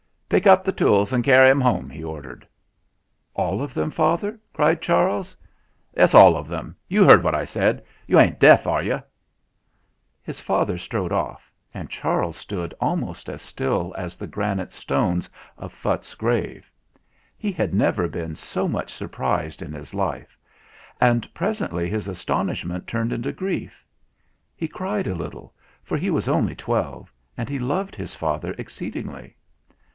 "Pick up the tools and carry 'em home," he ordered. "All of them, father !" cried Charles. "Yes, all of 'em. You heard what I said. You ain't deaf, are you ?" His father strode off, and Charles stood almost as still as the granite stones of Phutt's grave. He had never been so much surprised in his life, and presently his astonishment turned into grief. He cried a little, for he was only twelve and he loved his father exceedingly.